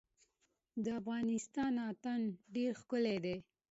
د افغانستان اتن ډیر ښکلی دی